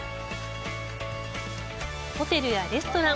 ホテルやレストラン